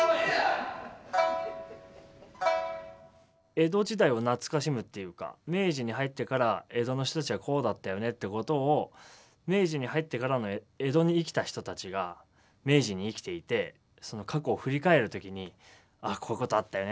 江戸時代を懐かしむっていうか明治に入ってから江戸の人たちはこうだったよねってことを明治に入ってから江戸に生きた人たちが明治に生きていてその過去を振り返る時に「あっこういうことあったよね」